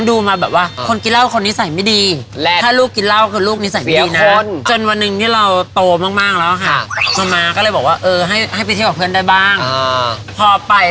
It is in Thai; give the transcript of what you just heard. จนแค่หมดตัวหมดเงินแบบเป็นแสนอ่ะ